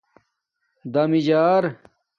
دَمیجآر